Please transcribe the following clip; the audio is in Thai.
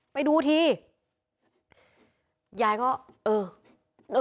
ไปดูทียายก็เออ